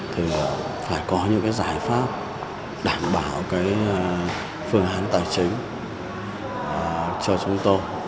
thì phải có những cái giải pháp đảm bảo cái phương án tài chính cho chúng tôi